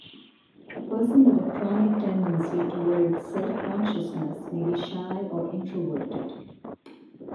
A person with a chronic tendency toward self-consciousness may be shy or introverted.